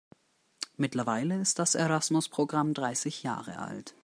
Mittlerweile ist das Erasmus-Programm dreißig Jahre alt.